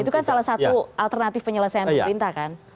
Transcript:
itu kan salah satu alternatif penyelesaian pemerintah kan